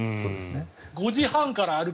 ５時半から歩く。